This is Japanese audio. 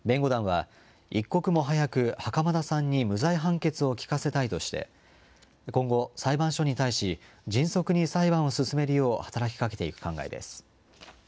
弁護団は一刻も早く袴田さんに無罪判決を聞かせたいとして、今後、裁判所に対し、迅速に裁判を進めるよう働きかけていく考えです。